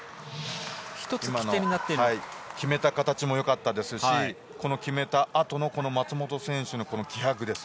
今の決めた形も良かったですし決めたあとの松本選手の気迫です。